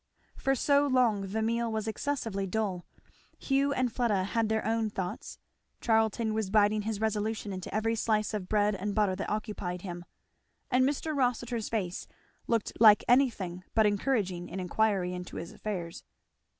For so long the meal was excessively dull. Hugh and Fleda had their own thoughts; Charlton was biting his resolution into every slice of bread and butter that occupied him; and Mr. Rossitur's face looked like anything but encouraging an inquiry into his affairs.